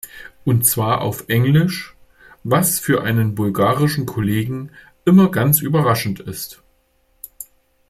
Und zwar auf Englisch, was für einen bulgarischen Kollegen immer ganz überraschend ist.